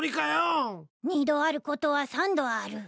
二度あることは三度ある。